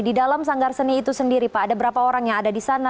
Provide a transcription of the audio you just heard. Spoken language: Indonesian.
di dalam sanggar seni itu sendiri pak ada berapa orang yang ada di sana